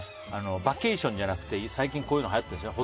バケーションじゃなくて最近はやってるんでしょ？